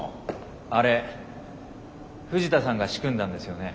あれ藤田さんが仕組んだんですよね？